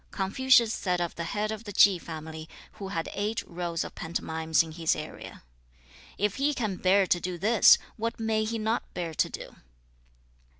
I. Confucius said of the head of the Chi family, who had eight rows of pantomimes in his area, 'If he can bear to do this, what may he not bear to do?'